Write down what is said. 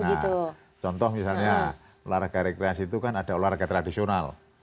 nah contoh misalnya olahraga rekreasi itu kan ada olahraga tradisional